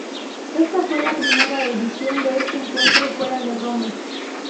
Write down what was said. Esta fue la primera edición de este encuentro fuera de Roma.